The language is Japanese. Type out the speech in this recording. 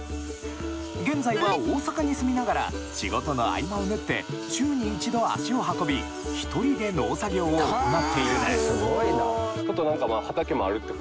現在は大阪に住みながら仕事の合間を縫って週に一度足を運び１人で農作業を行っているんですはい。